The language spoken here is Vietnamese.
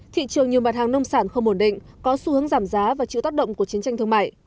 thị trường nhiều mặt hàng nông sản không ổn định có xu hướng giảm giá và chịu tác động của chiến tranh thương mại